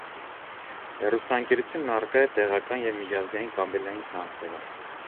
Հեռուստաընկերությունն առկա է տեղական ու միջազգային կաբելային ցանցերում։